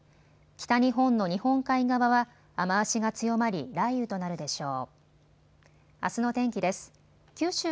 北日本の日本海側は雨足が強まり雷雨となるでしょう。